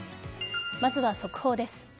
まずは速報です。